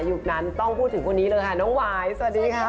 นั้นต้องพูดถึงคนนี้เลยค่ะน้องหวายสวัสดีค่ะ